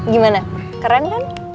gimana keren kan